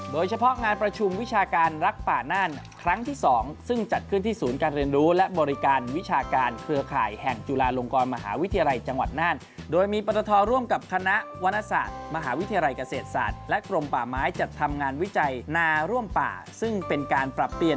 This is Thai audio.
โดยเฉพาะงานประชุมวิชาการรักป่าน่านครั้งที่๒ซึ่งจัดขึ้นที่ศูนย์การเรียนรู้และบริการวิชาการเครือข่ายแห่งจุฬาลงกรมหาวิทยาลัยจังหวัดน่านโดยมีปรตทร่วมกับคณะวรรณศาสตร์มหาวิทยาลัยเกษตรศาสตร์และกรมป่าไม้จัดทำงานวิจัยนาร่วมป่าซึ่งเป็นการปรับเปลี่ยน